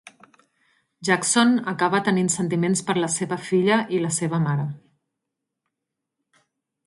Jackson acaba tenint sentiments per la seva filla i la seva mare.